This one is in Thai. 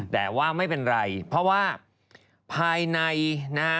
แต่ว่าไม่เป็นไรเพราะว่าภายในนะฮะ